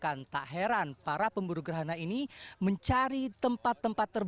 tetapi anda bisa melihatnya di depan anda